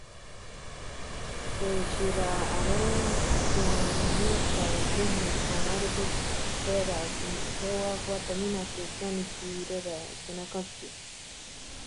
Según la tradición folclórica, se le rezaba antes de partir de cacería.